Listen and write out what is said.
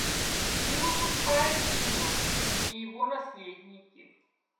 Не выпускают ее и его наследники.